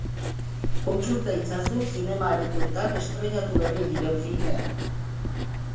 Kontsulta itzazu zinema-aretoetan estreinatu berri diren filmeak.